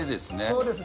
そうです。